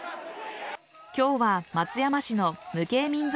今日は松山市の無形民俗